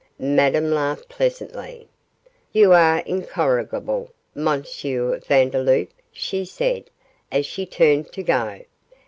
Madame laughed pleasantly. 'You are incorrigible, M. Vandeloup,' she said, as she turned to go.